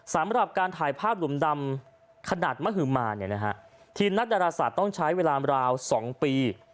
สำหรับการถ่ายภาพหลุมดำขนาดมหมาเนี่ยนะฮะทีมนักดาราศาสตร์ต้องใช้เวลาราว๒ปี